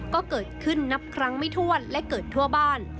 ก็เกิดขึ้นนับครั้งไม่ถ้วนและเกิดทั่วบ้าน